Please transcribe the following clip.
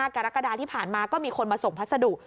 กรกฎาที่ผ่านมาก็มีคนมาส่งพัสดุ